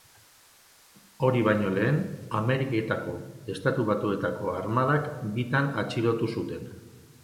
Hori baino lehen, Ameriketako Estatu Batuetako armadak bitan atxilotu zuten.